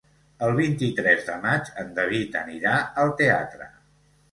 El vint-i-tres de maig en David anirà al teatre.